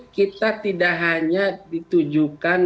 kita tidak hanya ditujukan